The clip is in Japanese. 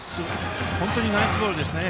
本当にナイスボールですね。